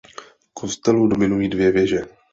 Kostelu dominují dvě věže.